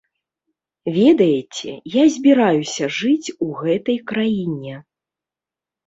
Ведаеце, я збіраюся жыць у гэтай краіне.